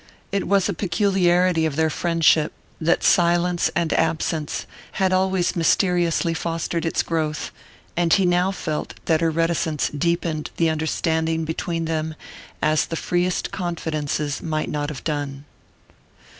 It was a peculiarity of their friendship that silence and absence had always mysteriously fostered its growth; and he now felt that her reticence deepened the understanding between them as the freest confidences might not have done.